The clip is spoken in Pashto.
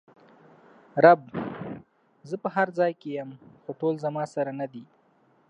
رب: زه په هر ځای کې ېم خو ټول زما سره ندي!